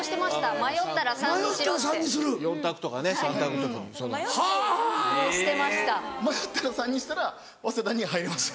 迷ったら３にしたら早稲田に入れました。